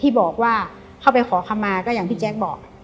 ที่บอกว่าเข้าไปขอคำมาก็อย่างพี่แจ๊คบอก